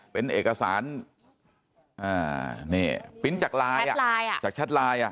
เป็นเอกสารปริ้นจากลายจากชัดลาย